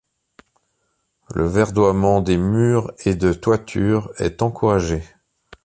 Le verdoiement des murs et de toitures est encouragé.